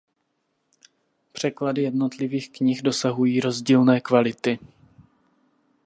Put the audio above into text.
Překlady jednotlivých knih dosahují rozdílné kvality.